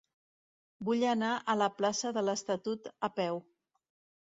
Vull anar a la plaça de l'Estatut a peu.